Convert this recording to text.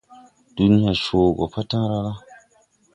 Dunyan coo gɔ patala.